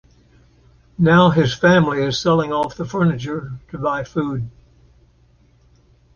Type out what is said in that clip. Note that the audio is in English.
Now his family is selling off the furniture to buy food.